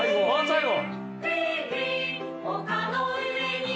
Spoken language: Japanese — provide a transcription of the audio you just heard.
最後！